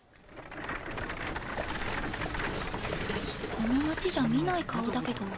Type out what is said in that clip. この町じゃ見ない顔だけど。